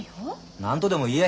何とでも言え。